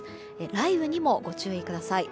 雷雨にもご注意ください。